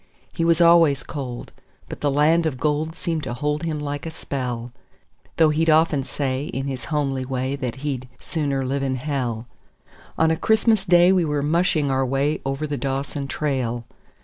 He was always cold, but the land of gold seemed to hold him like a spell; Though he'd often say in his homely way that he'd "sooner live in hell". On a Christmas Day we were mushing our way over the Dawson trail.